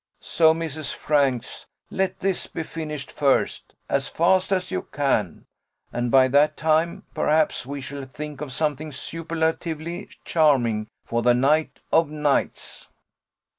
So, Mrs. Franks, let this be finished first, as fast as you can, and by that time, perhaps, we shall think of something superlatively charming for the night of nights."